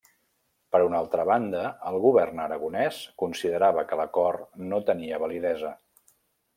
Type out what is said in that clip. Per una altra banda, el govern aragonès considerava que l'acord no tenia validesa.